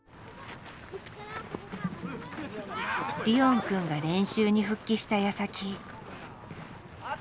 リオンくんが練習に復帰したやさき。